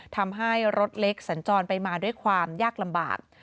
ทำให้รถเล็กสัญจรไปมาด้วยความยากลำบาก